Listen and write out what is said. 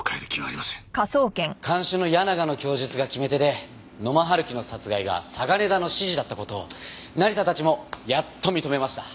看守の矢長の供述が決め手で野間春樹の殺害が嵯峨根田の指示だった事を成田たちもやっと認めました。